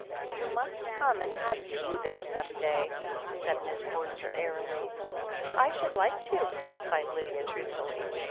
You must come and have tea there some day," said Miss Forster airily. "I should like to," replied Lydia truthfully.